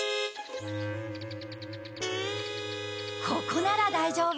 ここならだいじょうぶ。